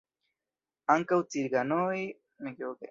Iliaj ses infanoj naskiĝis en Ameriko.